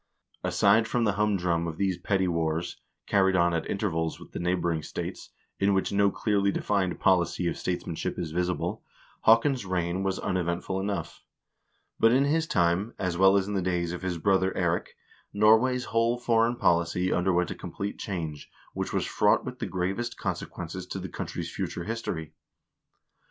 Aside from the humdrum of these petty wars, carried on at intervals with the neighboring states, in which no clearly defined policy of statesmanship is visible, Haakon's reign was un eventful enough. But in his time, as well as in the days of his brother Eirik, Norway's whole foreign policy underwent a complete change, which was fraught with the gravest consequences to the country's future history.